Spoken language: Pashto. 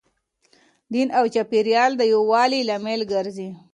دین او چاپیریال د یووالي لامل ګرځي.